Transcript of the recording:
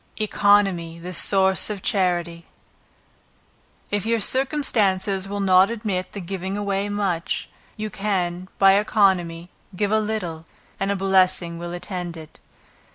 Economy the Source of Charity. If your circumstances will not admit of giving away much, you can, by economy, give a little, and a blessing will attend it.